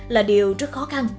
là điều rất khó khăn